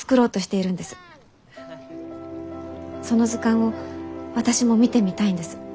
その図鑑を私も見てみたいんです。